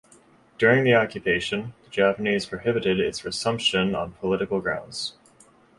During the occupation, the Japanese prohibited its resumption on political grounds.